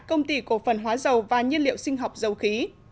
công ty cổ phần hóa dầu và nhiên liệu sinh học dầu khí